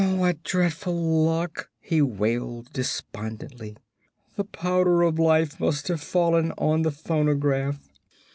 "What dreadful luck!" he wailed, despondently. "The Powder of Life must have fallen on the phonograph."